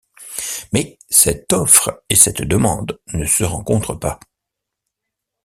Mais cette offre et cette demande ne se rencontrent pas.